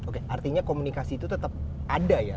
oke artinya komunikasi itu tetap ada ya